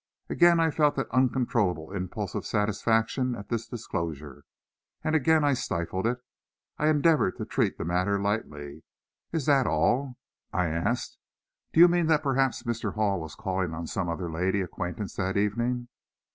Again I felt that uncontrollable impulse of satisfaction at this disclosure, and again I stifled it. I endeavored to treat the matter lightly. "Is that all?" I asked; "do you mean that perhaps Mr. Hall was calling on some other lady acquaintance that evening?"